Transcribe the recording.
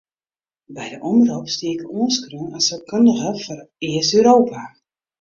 By de omrop stie ik oanskreaun as saakkundige foar East-Europa.